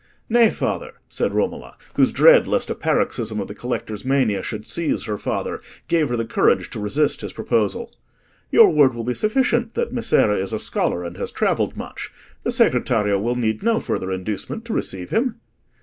"Nay, father," said Romola, whose dread lest a paroxysm of the collector's mania should seize her father, gave her the courage to resist his proposal. "Your word will be sufficient that Messere is a scholar and has travelled much. The Segretario will need no further inducement to receive him."